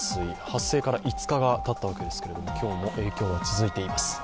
発生から５日がたったわけですけども、今日も影響は続いています。